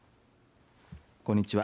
こんにちは。